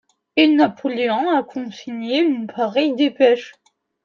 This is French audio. Et Napoléon a contresigné une pareille dépêche!